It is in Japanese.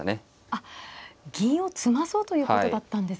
あっ銀を詰まそうということだったんですか。